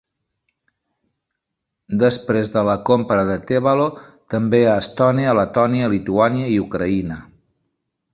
Després de la compra de Tevalo també a Estònia, Letònia, Lituània i Ucraïna.